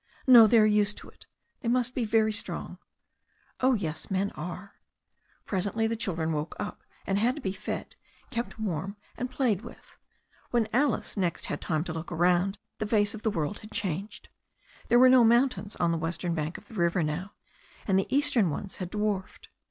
"No, they are used to it." "They must be very strong." "Oh, yes, men are." Presently the children woke up, and had to be fed, kept warm, and played with. When Alice next had time to look around, the face of the world had changed. There were no mountains on the western bank of the river now, and the eastern ones had dwarfed.